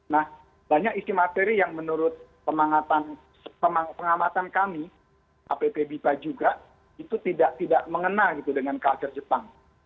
nah banyak isi materi yang menurut pengamatan kami app bipa juga itu tidak mengena gitu dengan culture jepang